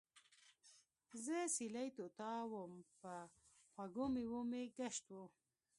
زۀ سېلي طوطا ووم پۀ خوږو مېوو مې ګشت وو